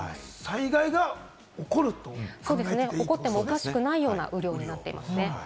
災害が起こってもおかしくない雨量になっています。